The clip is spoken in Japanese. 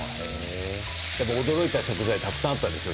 驚いた食材たくさんあったでしょう？